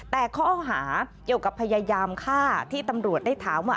แต่ข้อหาเกี่ยวกับพยายามฆ่าที่ตำรวจได้ถามว่า